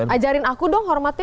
ajarin aku dong hormatnya